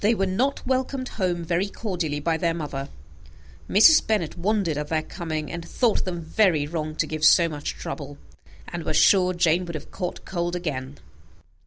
They were not welcomed home very cordially by their mother. Mrs. Bennet wondered at their coming, and thought them very wrong to give so much trouble, and was sure Jane would have caught cold again.